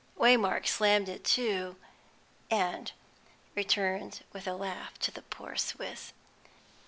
Waymark slammed it to, and turned with a laugh to the poor Swiss.